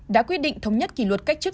đã quyết định thống nhất kỷ luật cách chức